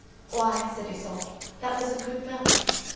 "Why," said Iseult, "that was a good vow."